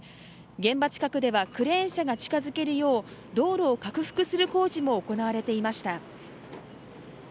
現場近くではクレーン車が近づけるよう、道路を拡幅する工事も行われていました。